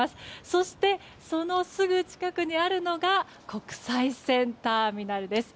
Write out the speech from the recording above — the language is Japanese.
そして、そのすぐ近くにあるのが国際線ターミナルです。